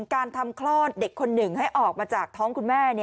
การทำคลอดเด็กคนหนึ่งให้ออกมาจากท้องคุณแม่